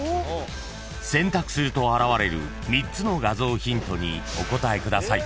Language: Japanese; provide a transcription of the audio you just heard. ［選択すると現れる３つの画像をヒントにお答えください］